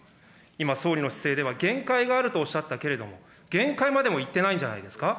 今、総理の姿勢では限界があるとおっしゃったけれども、限界までもいってないんじゃないですか。